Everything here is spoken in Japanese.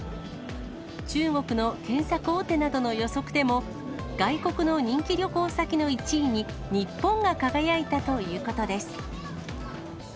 中国の検索大手などの予測でも、外国の人気旅行先の１位に日本が輝いたということです。